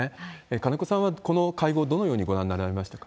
金子さんはこの会合、どのようにご覧になられましたか？